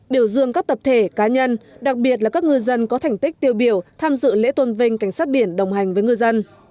biểu dương các tập thể cá nhân đặc biệt là các ngư dân có thành tích tiêu biểu tham dự lễ tôn vinh cảnh sát biển đồng hành với ngư dân